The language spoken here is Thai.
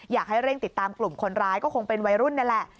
อยากให้เร่งติดตามกลุ่มคนร้ายก็คงเป็นวัยรุ่นนั่นแหละ